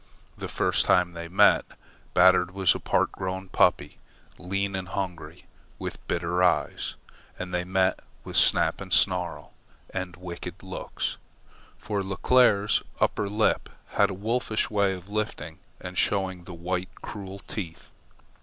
The first time they met, Batard was a part grown puppy, lean and hungry, with bitter eyes; and they met with snap and snarl, and wicked looks, for Leclere's upper lip had a wolfish way of lifting and showing the white, cruel teeth.